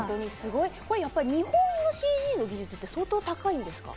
日本のＣＧの技術って相当高いんですか？